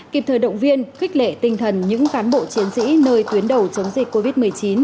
kịp thời động viên khích lệ tinh thần những cán bộ chiến sĩ nơi tuyến đầu chống dịch covid một mươi chín